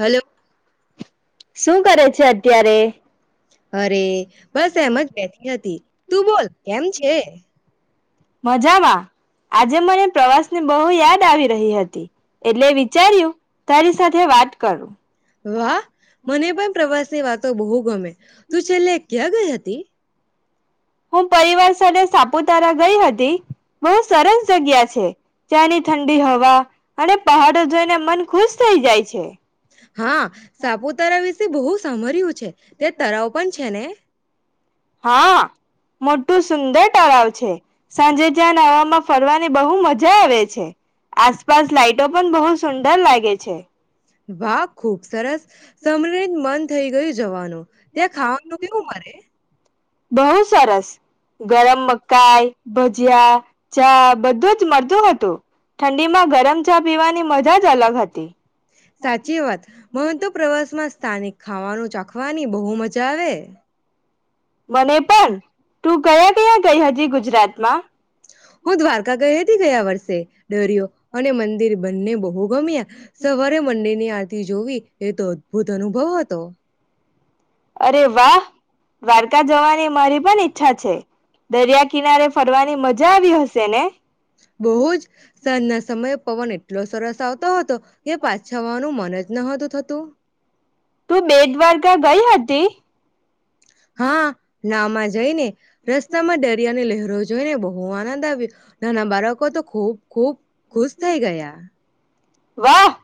Hello શું કરે છે અત્યારે? અરે બસ એમ જ બેઠી હતી, તું બોલ કેમ છે? મજામાં આજે મને પ્રવાસ ને બહુ યાદ આવી રહી હતી. એટલે વિચાર્યું તારી સાથે વાત કરું [inaudible] વાહ મને પણ પ્રવાસ ની વાતો બહુ ગમે, તું છેલ્લે. ક્યાં ગઈ હતી? હું પરિવાર સાથે સાપૂ તારા ગઈ હતી. બહુ સરસ જગ્યા છે, જ્યાંની ઠંડી હવા. અને પહાડો જોઈને મન ખુશ થઈ જાય છે. હા સાપુતારા વિશે બહુ સાભર્યું છે, ત્યાં તરાાવ પણ છે ને. હા મોટું સુંદર તળાવ છે. સાંજે જ્યાં નવામાં ફરવાની બહુ મજા આવે છે, આસપાસ લાાઈટો પણ બહુ સુંદર લાગે છે. વાહ ખુબ સરસ, સાંભળીને મન થઇ ગયું જવાનું, ત્યાં ખાવાનું કેવું મળે? બહુ સરસ. ગરમ મકાઈ ભજિયા ચા બધું જ મળતું હતું. ઠંડીમાં ગરમ ચા પીવાની મજા જ અલગ હતી સાચી વાત મને તો પ્રવાસમાં સ્થાનિક ખાવાનું ચાખવાની બહુ મજા આવે. મને પણ, તું કયા કયા ગઈ હતી ગુજરાતમાં? હું દ્વારકા ગઈ હતી ગયા વર્ષે. દરિયો અને મંદિર બંને બહુ. ગમ્યા, સવારે મંદિર ની આરતી જોવી. એ તો અદ્ભુત અનુભવ હતો. અરે વાહ દ્વારકા જવાની મારી પણ ઈચ્છા છે, દરિયા કિનારે ફરવાની મજા. આવી હશે ને બહુજ સાંજ ના સમયે પવન એટલો સરસ આવતો હતો, કે પાછા વાવાનું મન જ નતું. તો. તું બેટ દ્વારકા ગઈ હતી? હા નાવમાં જઈને રસ્તામાં દરિયાની લહેરો જોઈ ને બહું. આનંદ આવ્યો. નાના બાળકો તો ખૂબ ખૂબ ખુશ થઈ ગયા. વાહ,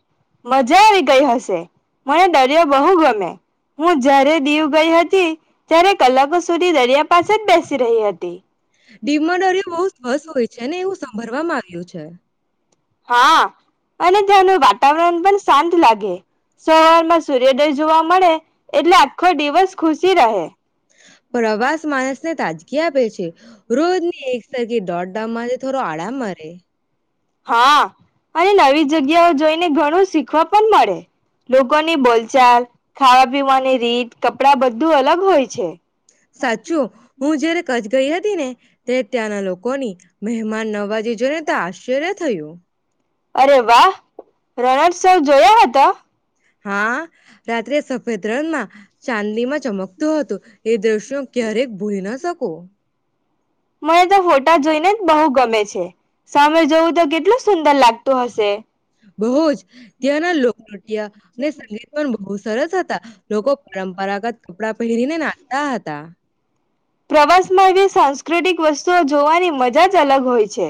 મજા આવી ગઈ હશે? મને દરિયો બહુ ગમે, હું જ્યારે દીવ ગઈ હતી, ત્યારે કલાકો સુધી દરિયા પાસે જ બેસી રહી હતી દિવમાં દરિયો બહુ સ્વસ્થ હોય છે, ને એવું સાંભળવામા આવ્યું છે. હા, અને જનું [unintelligible] વાતાવરણ પણ શાંત લાગે ગે સવારમાં સૂર્યોદય જોવા મળે એટલે આખો દિવસ ખુશી રહે. પ્રવાસ માણસ ને તાજગી આપે છે. રોજની એક સરખી દોઢધામમાંથી થોડો આરામ મરે. હા, અને નવી જગ્યાઓ જોઈને ઘણું શીખવા પણ મળે. લોકોની બોલ કપડાં બધું અલગ હોય છે સાચું હું, જયારે કચ્છ ગઈ હતી ને ત્યારે ત્યાંના લોકોની મહેમાન નવાજી જોઈ નેતા શ્યારે થયું? અરે વાહ, રણોત્સવ જોયો હતો? હા, રાત્રે સફેદ રણમાં ચાંદીમાં ચમકતું હતું એ દ્રશ્યો ક્યારે ભૂલી ના શકું. મને તો ફોટા જોઈને બહુ ગમે છે. સામે જવું તો કેટલું સુંદર લાગતું હશે. બહુ જ ત્યાંના લોક નૃત્ય અને સંગીત પણ બહુ સરસ હતા લોકો પરંપરાગત કપડા પહેરીને નાચતા હતા. ક્રિટિક વસ્તુઓ જોવાની મજા જ જ અલગ હોય છે.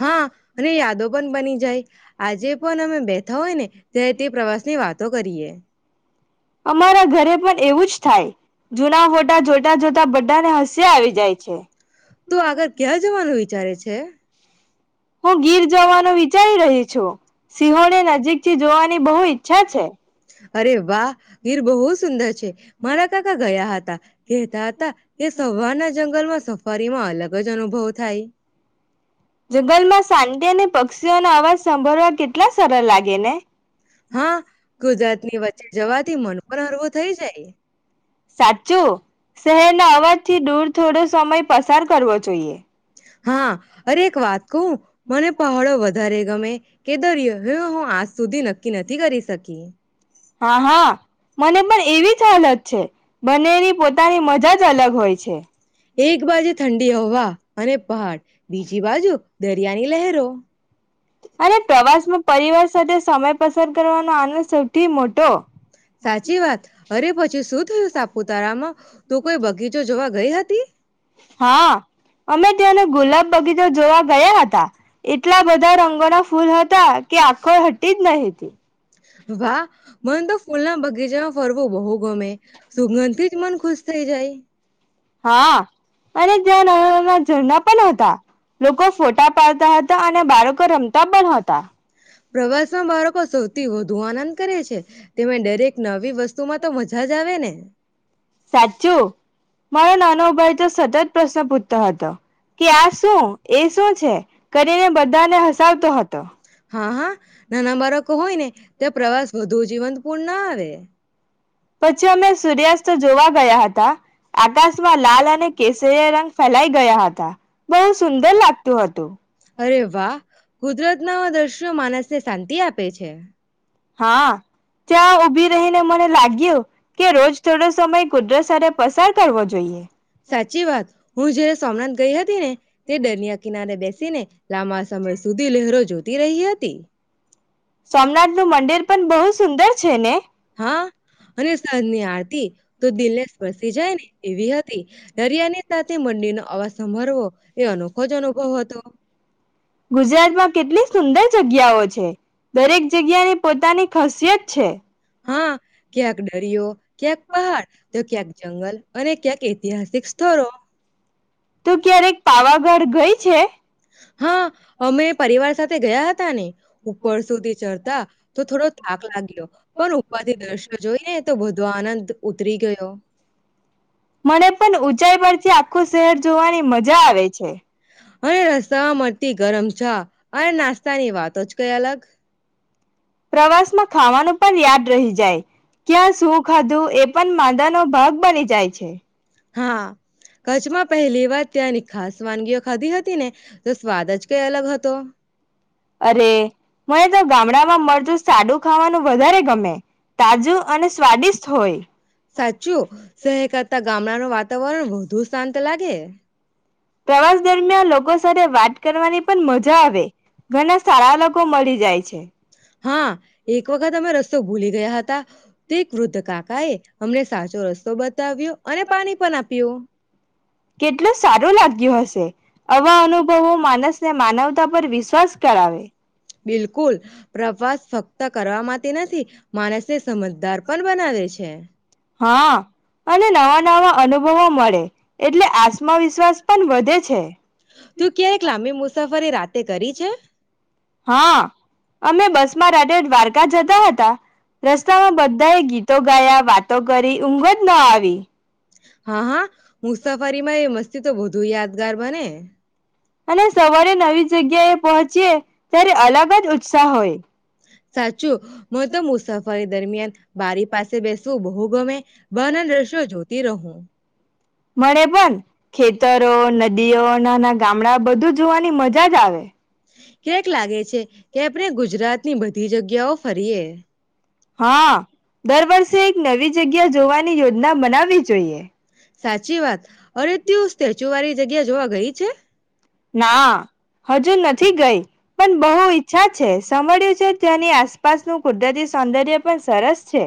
હા, અને યાદો પણ બની જાય. આજે પન અમે બેઠા હોય ને ત્યારે તે પ્રવાસ ની વાતો કરીએ. અમારા ઘરે પણ એવું જ થાય જૂના ફોટા જોતા-જોતા બધાને હસી આવી જાય છે. તું આગળ ક્યાં જવાનું વિચારે છે? હું ગીર જવાનો વિ ચારી રહી છું. સિંહોની નજીક થી જોવા અરે વાહ, વીર બહુ સુંદર છે મારા કાકા ગયા હતા કહેતા હતા કે સવારના જંગલમાં સફારી માં અલગ જ અનુભવ થાય. જંગલ માં શાંતિ અને પક્ષીઓનો અવાજ સાંભળવા કેટલા સરળ લાગે ને. હા ગુજરાતની વચ્ચે જવાથી મન પણ હળવો થઈ જાય. સાચું. શહેરના અવાજથી દૂર થોડો સમય પસાર કરવો જોઈએ. હા અરે એક વાત કઉ મને પહાડો વધારે ગમે કે દરિયો હ હું આજ સુધી નક્કી નથી કરી શકી. હા હા મને પણ એવી જ હાલત છેે. બનેની પોતાની મજ ધા જ અલગ હોય છે. એક બાજુ ઠંડી હવા અને પહાડ બીજી બાજુ દરિયાની લહેરો. અને પ્રવાસમાં પરિવાર સાથે સમય પસાર કરવાનો આનંદ સૌ સાચી વાત અરે પછી શું થયું સાપુતારામાં તું કોઈ બગીચો જોવા ગઈ હતી, હા. અમે તયાંનો ગુલાબ બગીચા જોવા ગયા હતા એટલા બધા રંગ રંગો ના ફૂલ હ કે આખો હટી જ ન હીતી. વાહ. મન તો ફૂલ ના બગીચામાં ફરવું બહુ ગમે, સુગંધ થી જ મન ખુશ થઈ જાય. હા અને જ્યાં નાનાં-નાનાં ઝરણાં પણ હતા. લોકો ફોટા પાડતા હતા. તા અને બાળકો રમત તા પણ હતા. પ્રવાસમાં બાળકો સૌથી વધુ આનંદ [unintelligible] કરે છે તેમને દરેક નવી વસ્તુમાં તો મજા જ આવે ને. સાચું મારો નાનો ઉભાઈ તો સતત પ્રશ્ન પૂછતો હતો. કે આ શું એ શું છે કરીને બધાને હસાવતો હતો, હા-હા નાના બાળકો હોય ને ત્યા પ્રવાસ વધુ જીવંતપૂર્ણ ન આવે. પછી અમે સૂર્યાસ્ત જોવા ગયા હતા, આકાશમાં લાલ અને કેસરીયો રંગ ફેલાઈ ગયા હતાં બહુ સુંદર લાગ તું હતું. અરે વાહ, કુદરતના દ્રશ્યો માનસને શાંતિ આપે છે. હા. ચ્યાં ઊભી રહી ને મને લાગ્યો. કે રોજ થોડો સમય કુદરત સ થે પસાર કરવો જોઈએ. સાચી વાત, હું જયારે સોમનાથ ગઈ હતી ને તે દરિયા કિનારે બેસીને લાંબા સમય સુધી લહેરો જોતી રહી હતી. સોમનાથ નું મંદિર પણ બહુ જ સુંદર છે ને. હા અને સાન્જની આરતી તો દિલને સ્પર્શી જાય ને એવી હતી, દરિયાની સાથે મંદિરનો અવાજ સાભરવો એ અનોખો જ અનુભવ હતો. ગુજરાતમાં કેટલી સુંદર જગ્યાઓ છે. દરેક જગ્યાએ પોતાની ખાસિયત છે. હા ક્યાંક દરિયો, ક્યાંક પહાડ તો ક્યાંક જંગલ અને ક્યાંક ઐતિહાસિક સ્થળો. તો કયારેક પા પાવાગઢ ગઈ છે. હા, અમે પરિવાર સાથે ગયા હતા ને ઉપર સુધી ચઢતા તો થોડો થાક લાગ્યો પણ ઉપરથી દ્રશ્યો જોઈ ને તો બધો આનંદ ઉતરી ગયો. મને પણ ઊંચાઈ પરથી આ [unintelligible] અરે રસ્તામાં મળતી ગરમ ચા અને નાસ્તા ની વાતો જ કઈ અ અલગ. પ્રવાસ માં ખાવાનું પણ યાદ રહી જાય. ક્યાં શું ખાધું એ પણ માદા નો ભાગ બની જાય છે. હા. કચ્છમાં પહેલી વાત ત્યાં ની ખાસ વાનગીઓ ખાધી હતી ને તો સ્વાદ જ કઈ અલગ હતો. અરે મને તો ગામડા માં મળ તો સાદું ખાવાનું વધારે ગમે તાજું અને સ્વાદિષ્ટ હોય. સાચું શેહર કરતા ગામડાનું વાતાવરણ વધુ શાંત લાગે. પ્રવાસ દરમિયાન લો લોકો સાથે વાત કરવાની પણ મજા આવે ઘરના સાળા લોક કો મળી જાય છે. હા, એક વખત અમે રસ્તો ભૂલી ગયા હતા તે વૃદ્ધ કાકાએ અમને સાચો રસ્તો બતાવ્યો અને પાણી પણ આપ્યું. કેટલું સારું લાગ્યું હશે આવા અનુભવો માનસને માનવ તા પર વિશ્વાસ કરાવે, બિલકુલ [unintelligible] પ્રવાસ ફક્ત કરવા માતી નથી. માણસને સમજદાર પણ બનાવે છે. હા અને નવા-નવા અનુભવો મળે. એટલે આસ્મવિશ્વાસ પણ વધે છે, તું ક્યારેક લાંબી મુસાફરી રાતે કરી છે. હા અમે બસ માં રાતે દ્વા રકા જતા હતા રસ્તામાં બધાએ ગીતો ગાયા વાત તો ઘરી ઊંઘ જ ન આવી. હા-હા મુસાફરી માં એ મસ્તી તો બધુ યાદગાર બને. અને સવારે નવી જગ્યાએ પહોંચીએ ત્યારે અલગ જ સા હોય. સાચું મુ તો મુસાફરી દરમિયાન બારી પાસે બેસવું બહુ ગમે બહારના દ્રશ્યો જોતી રહું મળે પણ ખેતરો ન નદીઓ, નાના ગામડા બધું જોવાની મજા જ આવે. કયારેક લાગે છે કે આપણે ગુજરાતની બધી જગ્યાઓ ફરીયે. હા દર વર્ષે એક નવી જગ્યા જોવાની યોજના બનાવી જોઈએ. સાચી વાત અરે તેઓ જુવારી જગ્યા જોવા ગઈ છે. ના હજુ નથી ગઈ. પણ બહુ ઈચ્છા છે સાંભળ્યું છે તેની આ આસપાસનું કુદરતી સૌંદર્ય પણ સરસ છે.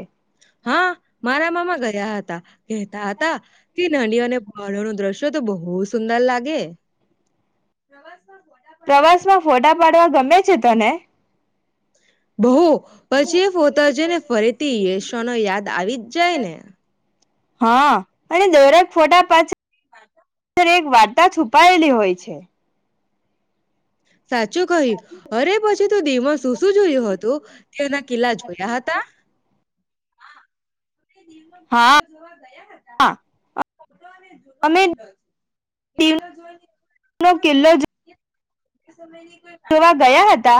હા મારા મામા ગયા હતા કેહેતા હતા કે નડીઓને બારણ દ્રશ્યો તો બહુ સુંદર લાગે. પ્રવાસ કે છે તને બહુ પછી એ પોતાજને ફરીથી યશો ન યાદ આવી જ જાય ને હા. અને ધોરક ફોટા પાંચ [inaudible] વાર્તા છુપાયેલી હોય છે. સાચું કહી. અરે પછી તું દી મા શું શું જોયું હતું તે એના કિલ્લા જોયા હતા. તે દી માં કિલ્લો હા જોવા ગયા હતા. જૂનો અને જૂનો અમે કિલ્લો હતો દીવારો દીવનો કિલ્લો જોઈ [inaudible] તે સમયની જોવા ગયા હતા,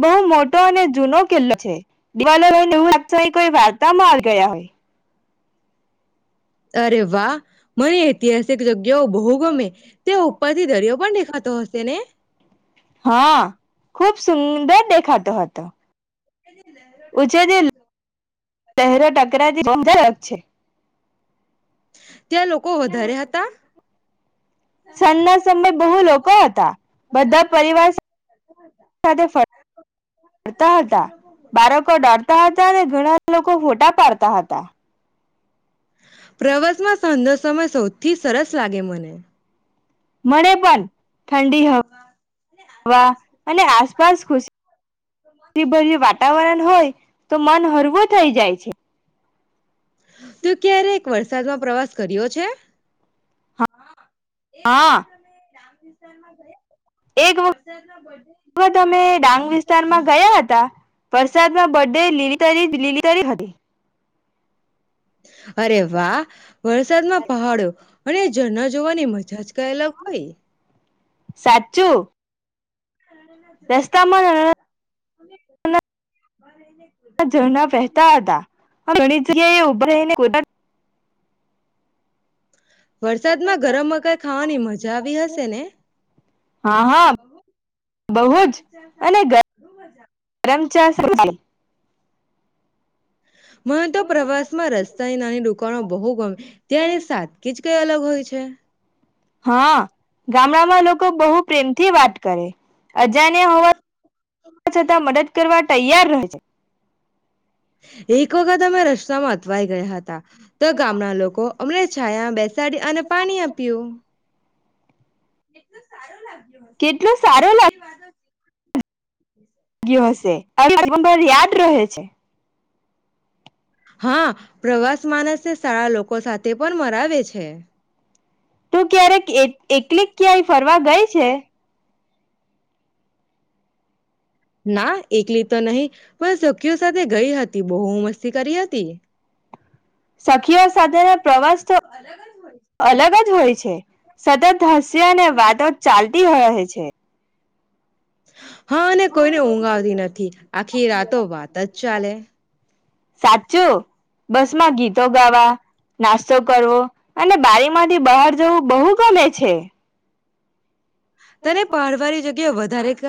બહુ મોટ ટો અને જૂનો કિલ્લો છે. દિવાલો જોઈ એવું લાગતું હોય વું કોઈ વાર્તામાં આવી ગયા હોય. અરે વાહ મને ઐતિહાસિક જગ્યાઓ બહુ ગમે ત્યા ઉપરથી દરિયો પણ દેખાતો હશે ને. હા. તો હતા. ઉછે દલ ચહેરો ટકરાતી જા રક છે. ત્યાં લોકો વધારે હતા? સાંજ ના સમયે બહુ લોકો હતા, બધા પરિવાર સાથે ફરતા હતા, બાળકો ડરતા હતા અને ઘણા ઘણા લોકો ફોટા પાડતા હતા. પ્રવાસમાં સાંજનો સમય સૌથી સરસ લાગે મને. [unintelligible] મને પણ ઠંડી હવા અને આસપાસ ખુશી ભર્યું વાતાવરણ હોય. તો મન હરવો થઈ જાય છે. તો ક્યારેક વરસાદમાં પ્રવાસ કર્યો છે હા. એક વખત હા અમે રા [unintelligible] માં ગયા. એક વખત વખત અમે ડાંગ વિસ્તારમાં ગયા હતા. વરસાદમાં બધે લીલી તરી લીલી તરી હતી. અરે વાહ. વરસાદમાં પહાડો અને ઝરણા જોવાની મજા જ કઈ અલગ હોય. સાચું રસ્તામાં નાના નાના ઝરણા વહેતા હતા [unintelligible] ઘણી જગ્યા એ પોતાન. વરસાદમાં ગરમ મકાઈ ખાવાની મજા આવી હશે ને હા, હા, અને બહુ જ ગરમ ચા સાથે અને બહુ મજા આવી. ગરમ ચા સાથે. મન તો પ્રવાસ માં રસ્તાની નાની દુકાનો બહુ ગમે ત્યાં એની સાદકી જ કઈ અલગ હોય છે હા ગામડામાં લોકો બહુ પ્રેમથી વાત કરે અજાણ્યા હોવા [unintelligible] છતાં મદદ કરવા તૈયાર રહે છે. એક વખત અમે રસ્તામાં અટવાઈ ગયા હતા, તો ગામના લોકો અમને છાયા બેસાડી અને પાણી આપ્યું. કેટલું સારું લાગ્ હ કેટલું સારો આવી વાતો ગ્યો હશે, અ [unintelligible] યાદ રહે છે. પ્રવાસ માનસ ને સારા લોકો સાથે મરાવે છે તું ક્યારેક એક એકલીક ક્યાય ફરવા ગઈ છે? [unintelligible] ના એકલી તો નહીં પણ સખીઓ સાથે ગઈ હતી બહુ મસ્તી કરી હતી સખીઓ સાથેના પ્રવાસ તો અલગ જ હોય. છે સતત થશે અને વાતો ચાલત તી રહે છે. હ. હા અને [unintelligible] નથી આખી રાતો વાત જ ચાલે, સાચું બસ માં ગીતો ગાવા. નાસ્તો કરવો. અને બારીમાંથી બહાર જોવું બહુ ગમે. છે. તને પહાડ વારી જગ કે વધારે ક